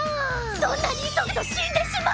そんなに急ぐと死んでしまうわ！